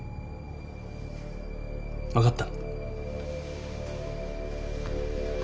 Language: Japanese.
分かった。